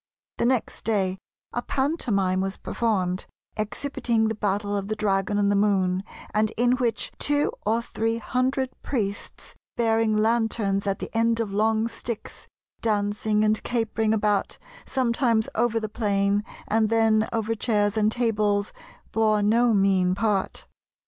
The next day a pantomime was performed, exhibiting the battle of the dragon and the Moon, and in which two or three hundred priests, bearing lanterns at the end of long sticks, dancing and capering about, sometimes over the plain, and then over chairs and tables, bore no mean part.